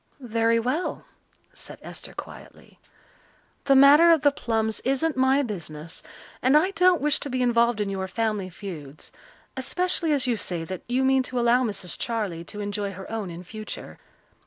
"Very well," said Esther quietly. "The matter of the plums isn't my business and I don't wish to be involved in your family feuds, especially as you say that you mean to allow Mrs. Charley to enjoy her own in future.